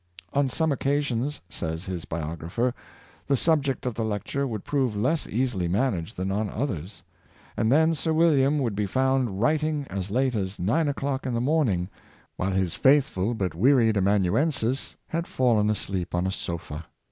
*^ On some occasions," says his biographer, "the subject of the lecture would prove less easily managed than on others, and then Sir William would be found writing as late as nine o'clock in the morning, while his faith ful but wearied amanuensis had fallen asleep on a sofa."